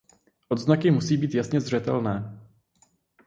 Odznaky musí být jasně zřetelné.